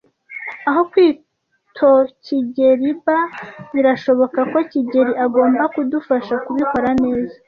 Aho kwitokigeliba, birashoboka ko kigeli agomba kudufasha kubikora neza.